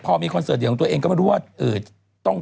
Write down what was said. พอมีคอนเสิร์ตเดียวของตัวเองก็ไม่รู้ว่า